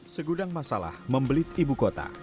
segudang masalah membelit ibu kota